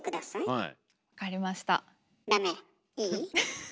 はい。